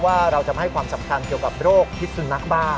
ว่าเราจะไม่ให้ความสำคัญเกี่ยวกับโรคพิษสุนัขบ้า